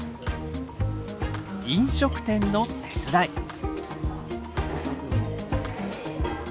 飲食店の手伝い。